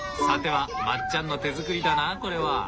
さてはまっちゃんの手作りだなこれは。